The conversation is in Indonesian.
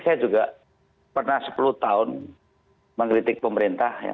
saya juga pernah sepuluh tahun mengkritik pemerintah ya